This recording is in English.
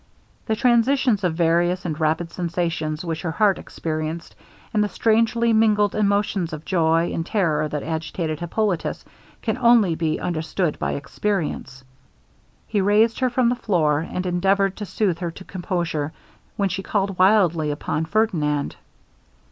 The transitions of various and rapid sensations, which her heart experienced, and the strangely mingled emotions of joy and terror that agitated Hippolitus, can only be understood by experience. He raised her from the floor, and endeavoured to soothe her to composure, when she called wildly upon Ferdinand.